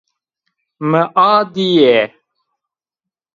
Mi a dîye